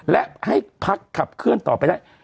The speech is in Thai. และให้พักขับเคลื่อนต่อไปได้